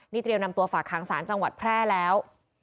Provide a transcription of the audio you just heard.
นี่เตรียมนำตัวฝากหางศาลจังหวัดแพร่แล้ว